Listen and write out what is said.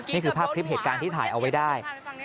นี่คือภาพคลิปเหตุการณ์ที่ถ่ายเอาไว้ได้